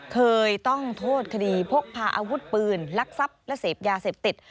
เคยต้องโทษคดีพกพาอาวุธปืนลักทรัพย์และเสพยาเสพติด